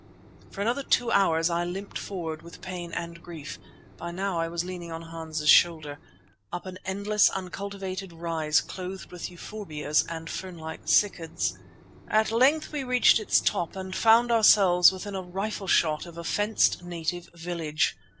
For another two hours I limped forward with pain and grief—by now I was leaning on Hans' shoulder—up an endless, uncultivated rise clothed with euphorbias and fern like cycads. At length we reached its top and found ourselves within a rifle shot of a fenced native village.